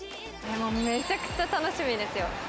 めちゃくちゃ楽しみですよ。